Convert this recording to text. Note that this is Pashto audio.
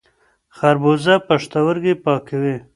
خربوزه پښتورګي پاکوي.